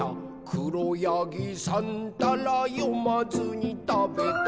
「しろやぎさんたらよまずにたべた」